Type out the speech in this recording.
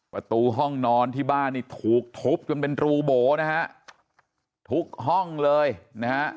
ประตูห้องนอนที่บ้านนี่ถูกทุบจนเป็นรูโบนะฮะทุกห้องเลยนะฮะ